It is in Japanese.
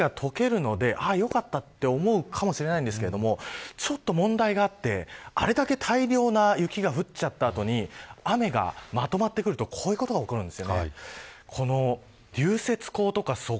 雨になるとあれだけの雪が解けるのでああ、よかったと思うかもしれないんですけれどもちょっと問題があってあれだけ大量な雪が降っちゃった後に雨がまとまってくるとこういうことが起こるんです。